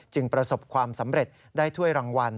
ประสบความสำเร็จได้ถ้วยรางวัล